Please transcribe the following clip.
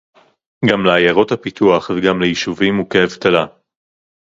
גם לעיירות הפיתוח וגם ליישובים מוכי אבטלה